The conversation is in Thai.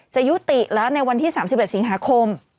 จะยุติแล้วในวันที่๓๑สิงหาคม